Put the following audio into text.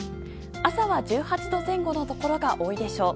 朝は１８度前後のところが多いでしょう。